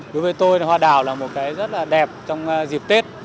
đối với tôi hoa đào là một cái rất là đẹp trong dịp tết